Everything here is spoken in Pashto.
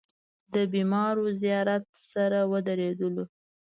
د بېمارو زيارت سره ودرېدلو.